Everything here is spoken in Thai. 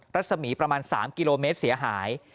รัศมีประมาณ๓กิโลเมตรเสียหาย